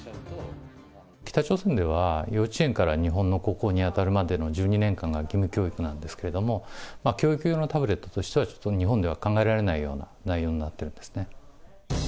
北朝鮮では幼稚園から日本の高校に当たるまでの１２年間が義務教育なんですけれども、教育用のタブレットとしては、ちょっと日本では考えられないような内容になっているんですね。